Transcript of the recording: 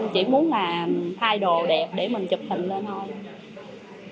chỉ muốn là hai đồ đẹp để mình chụp hình lên thôi